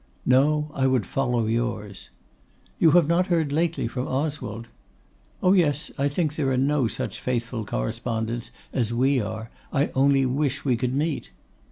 'No, I would follow yours.' 'You have not heard lately from Oswald?' 'Oh, yes; I think there are no such faithful correspondents as we are; I only wish we could meet.